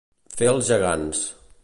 Fer els gegants.